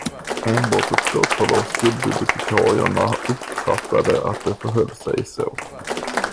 Enbart ett fåtal av skolbibliotekarierna uppfattade att det förhöll sig så.